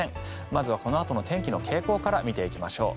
まずはこのあとの天気の傾向から見ていきましょう。